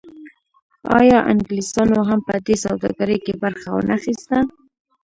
آیا انګلیسانو هم په دې سوداګرۍ کې برخه ونه اخیسته؟